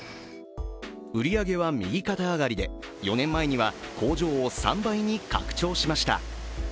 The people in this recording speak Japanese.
売り上げは右肩上がりで、４年前には工場を３倍に拡張しました。